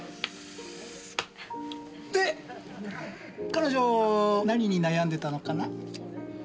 彼女何に悩んでたのかな？